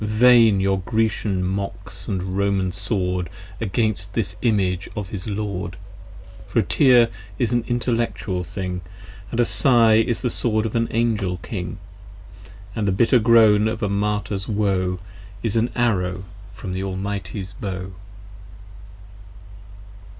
Vain Your Grecian Mocks & Roman Sword Against this image of his Lord! For a Tear is an Intellectual thing: 80 And a Sigh is the Sword of an Angel King : And the bitter groan of a Martyr's woe 82 Is an Arrow from the Almightie's Bow.